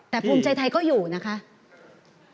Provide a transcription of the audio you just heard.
แต่ภูมิใจไทยก็อยู่นะคะ